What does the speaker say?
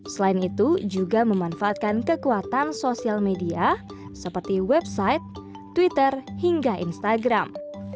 selain itu juga memanfaatkan kekuatan sosial media seperti website twitter hingga instagram